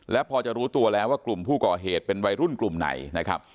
และพอจะรู้ตัวแล้วว่ากลุ่มผู้ก่อเหตุเป็นวัยรุ่นกลุ่มไหนนะครับ